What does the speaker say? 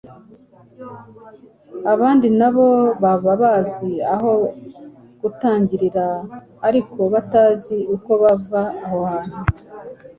Abandi na bo baba bazi aho gutangirira ariko batazi uko bava aho hantu